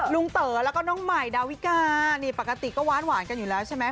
เต๋อแล้วก็น้องใหม่ดาวิกานี่ปกติก็หวานกันอยู่แล้วใช่ไหม